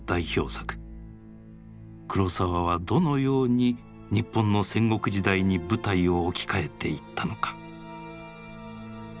黒澤はどのように日本の戦国時代に舞台を置き換えていったのか。